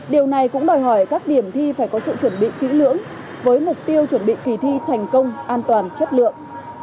điều này cũng đòi hỏi các điểm thi phải có sự chuẩn bị kỹ lưỡng với mục tiêu chuẩn bị kỳ thi thành công an toàn chất lượng